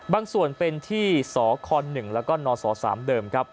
บางส่วนเป็นที่สค๑และนส๓เดิม